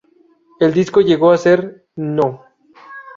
El disco llegó a ser No.